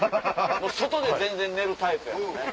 外で全然寝るタイプやもんね。